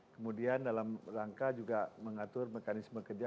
kemudian dalam rangka juga mengatur mekanisme kerja